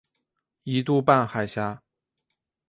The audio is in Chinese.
一度半海峡。